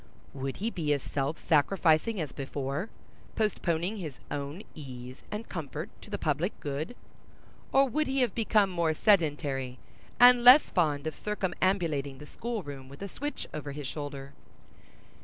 Would he be as self sacrificing as before, postponing his own ease and comfort to the public good, or would he have become more sedentary, and less fond of circumambulating the school room with a switch over his shoulder?